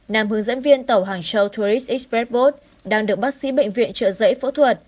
nàm hướng dẫn viên tàu hàng châu tourist express boat đang được bác sĩ bệnh viện trợ giấy phẫu thuật